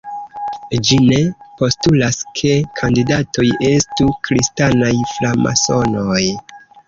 Ĝi "ne" postulas ke kandidatoj estu kristanaj framasonoj.